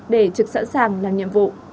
để trực sẵn sàng làm nhiệm vụ